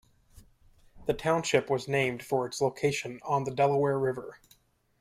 The township was named for its location on the Delaware River.